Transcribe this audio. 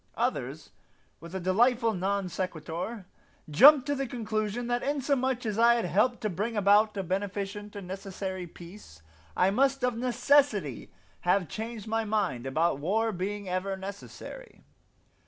Others, with a delightful non sequitur, jumped to the conclusion that inasmuch as I had helped to bring about a beneficent and necessary peace I must of necessity have changed my mind about war being ever necessary.